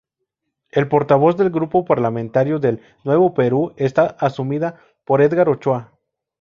El portavoz del grupo parlamentario del Nuevo Perú está asumida por Edgar Ochoa.